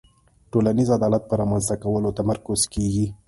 ټولنیز عدالت په رامنځته کولو تمرکز کیږي.